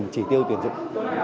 chỉ tiêu tuyển dụng